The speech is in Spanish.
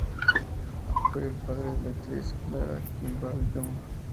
Fue el padre de la actriz Clara Kimball Young.